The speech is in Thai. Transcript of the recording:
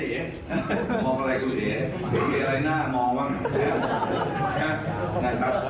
ไม่เกี่ยวไม่มีข้อบังคับ